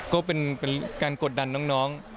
ก็เป็นการกดดันน้อง